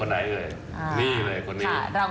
คนนี้เลยคนนี้นะครับ